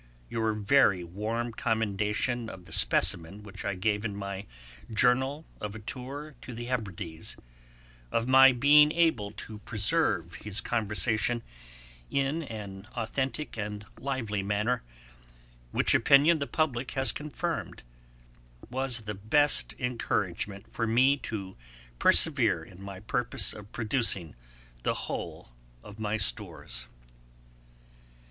Your very warm commendation of the specimen which I gave in my Journal of a Tour to the Hebrides, of my being able to preserve his conversation in an authentick and lively manner, which opinion the Publick has confirmed, was the best encouragement for me to persevere in my purpose of producing the whole of my stores.